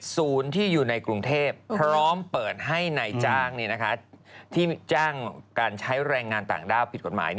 ศูนย์ที่อยู่ในกรุงเทพพร้อมเปิดให้นายจ้างที่จ้างการใช้แรงงานต่างด้าวผิดกฎหมาย